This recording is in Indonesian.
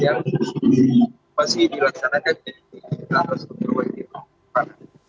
yang masih dilaksanakan di atas kota peking